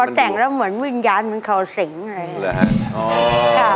แต่งแล้วเหมือนวิญญาณเหมือนเขาสิงอะไรอย่างนี้